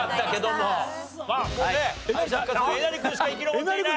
もうね敗者復活のえなり君しか生き残っていない。